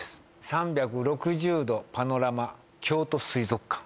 ３６０度パノラマ京都水族館